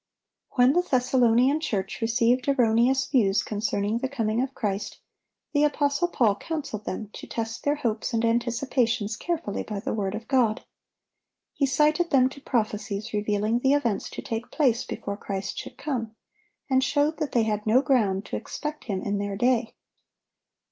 When the Thessalonian church received erroneous views concerning the coming of Christ, the apostle Paul counseled them to test their hopes and anticipations carefully by the word of God. He cited them to prophecies revealing the events to take place before Christ should come, and showed that they had no ground to expect Him in their day.